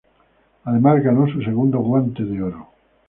Además ganó su segundo Guante de Oro.